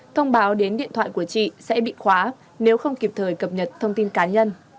thông báo đến điện thoại của chị sẽ bị khóa nếu không kịp thời cập nhật thông tin cá nhân